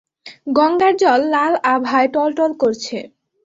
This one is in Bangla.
গঙ্গার জল লাল আভায় টলটল করছে।